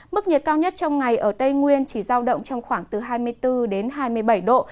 mức nhiệt cao nhất trong ngày ở tây nguyên chỉ giao động trong khoảng từ hai mươi bốn đến hai mươi bảy độ